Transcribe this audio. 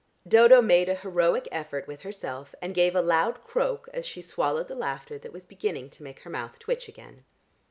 Dodo made an heroic effort with herself and gave a loud croak as she swallowed the laughter that was beginning to make her mouth twitch again.